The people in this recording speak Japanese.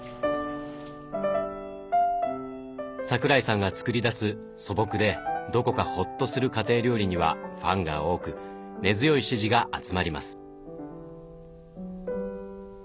桜井さんが作り出す素朴でどこかホッとする家庭料理にはファンが多く根強い支持が集まります。